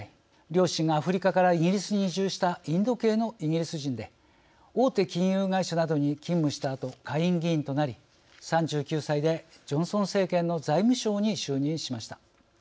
両親がアフリカからイギリスに移住したインド系のイギリス人で大手金融会社などに勤務したあと下院議員となり、３９歳でジョンソン政権の財務相に就任しました。